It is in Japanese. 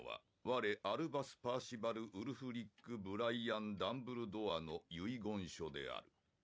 「我アルバス・パーシバル・ウルフリック・ブライアン・ダンブルドアの遺言書である」